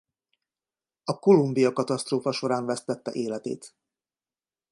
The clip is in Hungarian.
A Columbia-katasztrófa során vesztette életét.